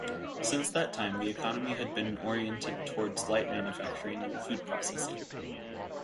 Since that time, the economy had been orientated towards light manufacturing and food processing.